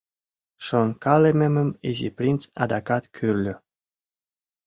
Шонкалымемым Изи принц адакат кӱрльӧ: